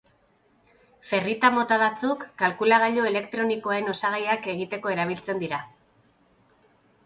Ferrita-mota batzuk kalkulagailu elektronikoen osagaiak egiteko erabiltzen dira.